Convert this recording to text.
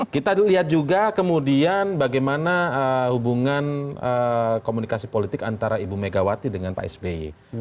kita lihat juga kemudian bagaimana hubungan komunikasi politik antara ibu megawati dengan pak sby